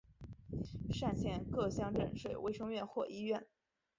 单县各乡镇设有卫生院或医院。